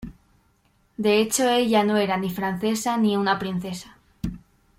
De hecho ella no era ni francesa ni una princesa.